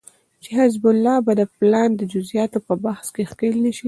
چې حزب الله به د پلان د جزياتو په بحث کې ښکېل نشي